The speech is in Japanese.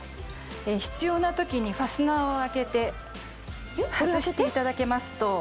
必要な時にファスナーを開けて外していただけますと。